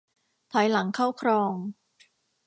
ถอยหลังเข้าคลอง